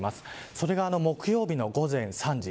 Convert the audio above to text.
それが木曜日の午前３時。